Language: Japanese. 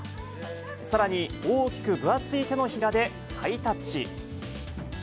さらに大きく分厚い手のひらでハイタッチ。